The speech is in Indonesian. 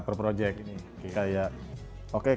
kalau yang ini barusan tutorials